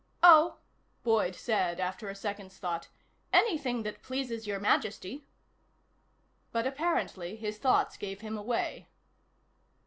"Oh," Boyd said after a second's thought, "anything that pleases Your Majesty." But apparently, his thoughts gave him away.